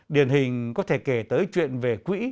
điển hình có thể kể tới chuyện về quỹ